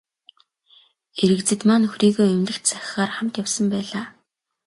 Эрэгзэдмаа нөхрийгөө эмнэлэгт сахихаар хамт явсан байлаа.